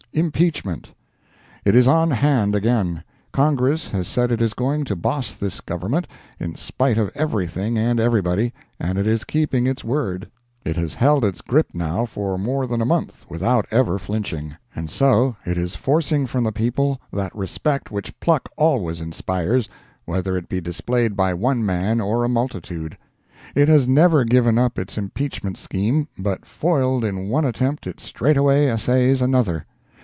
IMPEACHMENT. It is on hand again. Congress has said it is going to boss this Government, in spite of everything and everybody, and it is keeping its word. It has held its grip now for more than a month, without ever flinching. And so it is forcing from the people that respect which pluck always inspires, whether it be displayed by one man or a multitude. It has never given up its impeachment scheme, but foiled in one attempt it straightway essays another.